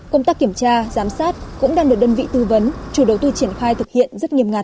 công tác kiểm tra giám sát cũng đang được đơn vị tư vấn chủ đầu tư triển khai thực hiện rất nghiêm ngặt